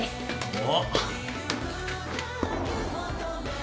おっ！